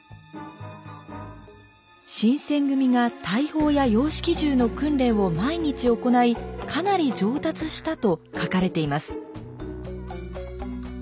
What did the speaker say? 新選組が大砲や洋式銃の訓練を毎日行いかなり上達したと書かれています。